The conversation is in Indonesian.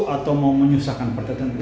atau mau menyusahkan partai tertentu